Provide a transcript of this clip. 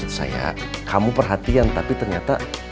eh maksud saya kamu perhatian tapi ternyata